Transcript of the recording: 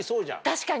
確かに。